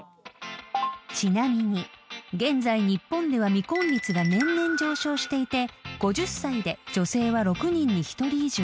［ちなみに現在日本では未婚率が年々上昇していて５０歳で女性は６人に１人以上］